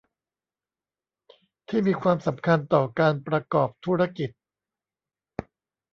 ที่มีความสำคัญต่อการประกอบธุรกิจ